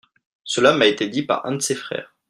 Cela m'a été dit par un de ses frères.